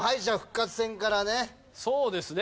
そうですね。